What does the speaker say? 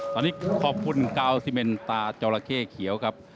ตอนนี้ขอบคุณกาวซิเมนตาจอราเข้เขียวครับ